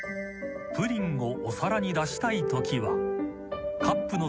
［プリンをお皿に出したいときは］